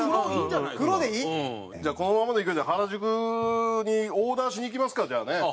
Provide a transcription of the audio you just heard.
じゃあこのままの勢いで原宿にオーダーしに行きますか。